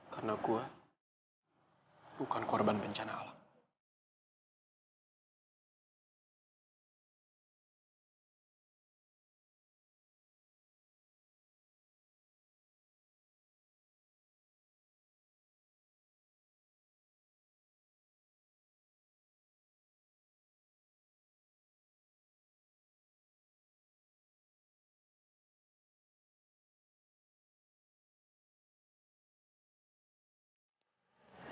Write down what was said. karena gue bukan korban bencana alam